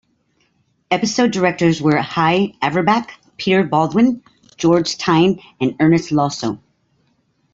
Episode directors were Hy Averback, Peter Baldwin, George Tyne, and Ernest Losso.